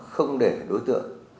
không để đối tượng